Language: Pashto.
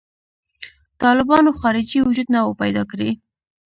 طالبانو خارجي وجود نه و پیدا کړی.